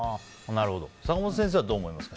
坂本先生はどう思いますか？